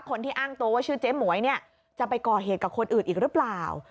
คนที่อ้างตัวว่าชื่อเจ๊หมวยเนี่ยจะไปก่อเหตุกับคนอื่นอีกหรือเปล่า